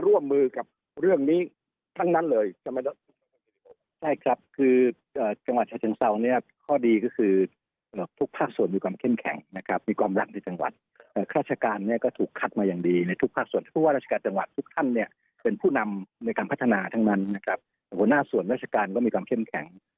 ร่วมมือกับเรื่องนี้ทั้งนั้นเลยใช่ครับคือจังหวัดชาเชิงเซาเนี่ยข้อดีก็คือทุกภาคส่วนมีความเข้มแข็งนะครับมีความรักในจังหวัดราชการเนี่ยก็ถูกคัดมาอย่างดีในทุกภาคส่วนผู้ว่าราชการจังหวัดทุกท่านเนี่ยเป็นผู้นำในการพัฒนาทั้งนั้นนะครับหัวหน้าส่วนราชการก็มีความเข้มแข็ง